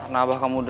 karena abah kamu udah